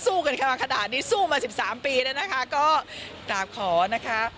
สู้กันมาขนาดนี้สู้มา๑๓ปีแล้วนะครับก็ตามขอนะครับ